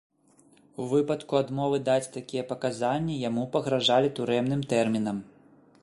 У выпадку адмовы даць такія паказанні яму пагражалі турэмным тэрмінам.